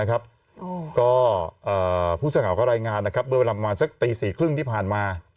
ก็ผู้สาขากรายงานเพราะว่าประมาณสักตีสี่ครึ่งที่ผ่านมา